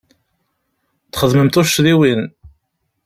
Txedmem tuccḍiwin.